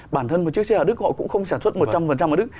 bản thân một chiếc xe ở đức họ cũng không sản xuất một trăm linh ở đức